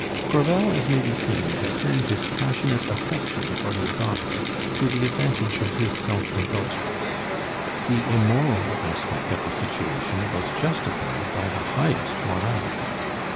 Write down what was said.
Crevel, as may be seen, had turned his passionate affection for his daughter to the advantage of his self indulgence. The immoral aspect of the situation was justified by the highest morality.